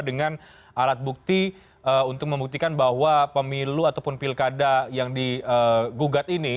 dengan alat bukti untuk membuktikan bahwa pemilu ataupun pilkada yang digugat ini